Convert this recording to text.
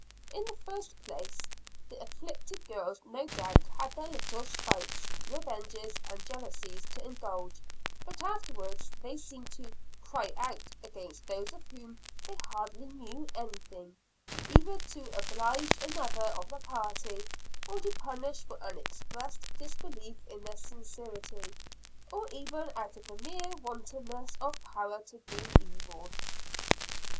In the first place, the "afflicted" girls no doubt had their little spites, revenges, and jealousies to indulge, but afterwards they seemed to "cry out" against those of whom they hardly knew anything, either to oblige another of the party, or to punish for an expressed disbelief in their sincerity, or even out of the mere wantonness of power to do evil.